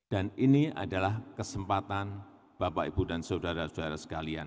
dan ini adalah kesempatan bapak ibu dan saudara saudara sekalian